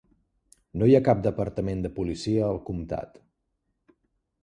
No hi ha cap departament de policia al comtat.